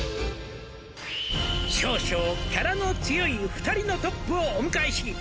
「少々キャラの強い２人のトップをお迎えし」